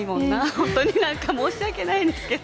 本当に、なんか申し訳ないですけど。